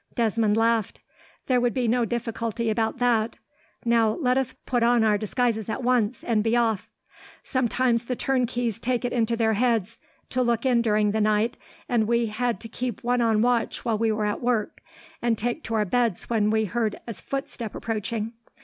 Desmond laughed. "There would be no difficulty about that. Now, let us put on our disguises at once, and be off. Sometimes the turnkeys take it into their heads to look in during the night, and we had to keep one on watch while we were at work, and take to our beds when we heard a footstep approaching.